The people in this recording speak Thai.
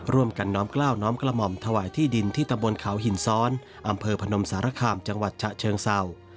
ร่วมกันน้อมกล้าวน้อมกระหม่อมถวายที่ดินที่ตำบลเขาหินซ้อนอำเภอพนมสารคามจังหวัดฉะเชิงเศร้า